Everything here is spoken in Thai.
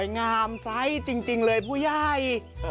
งามไซส์จริงเลยผู้ใหญ่